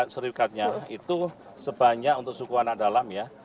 serikatnya itu sebanyak untuk suku anak dalam ya